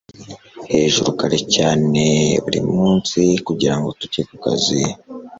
hejuru kare cyane burimunsi kugirango tujye kukazi